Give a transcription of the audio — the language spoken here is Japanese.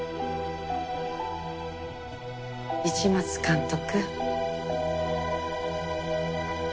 市松監督。